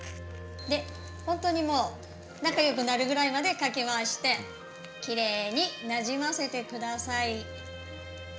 本当にもう仲よくなるぐらいまでかき回してきれいになじませてください。